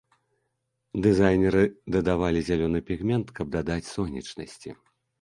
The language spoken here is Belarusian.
Дызайнеры дадавалі зялёны пігмент, каб дадаць сонечнасці.